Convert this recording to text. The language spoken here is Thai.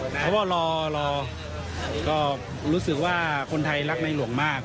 เพราะว่ารอก็รู้สึกว่าคนไทยรักในหลวงมาก